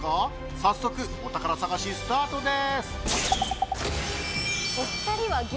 早速、お宝探しスタートです。